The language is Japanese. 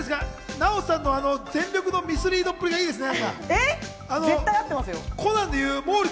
ナヲさんの全力のミスリードっぷりがいいですね。